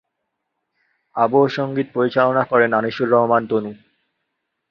আবহ সংগীত পরিচালনা করেন আনিসুর রহমান তনু।